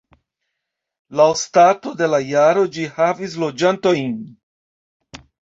Laŭ stato de la jaro ĝi havis loĝantojn.